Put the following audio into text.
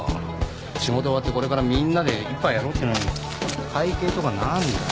仕事終わってこれからみんなで一杯やろうってのに会計とか何だよ。